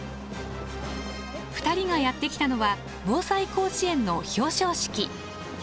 ２人がやって来たのは「ぼうさい甲子園」の表彰式。